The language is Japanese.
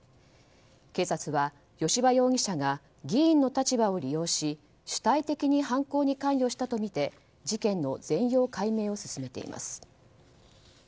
警察は、吉羽容疑者が議員の立場を利用し主体的に犯行に関与したとみて事件の全容解明を進めています。